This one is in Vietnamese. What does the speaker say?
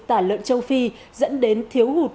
tả lợn châu phi dẫn đến thiếu hụt